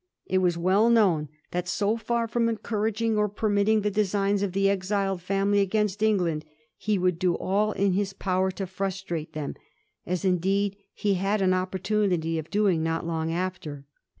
It was well known that, so far from encouraging or permitting the designs of the exiled family against England, he would do all in his power to frustrate them ; as, indeed, he had an opportunity of doing not long after.